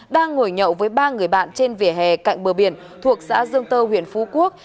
đang ngồi nhậu với ba người bạn trên vỉa hè cạnh bờ biển thuộc xã dương tơ huyện phú quốc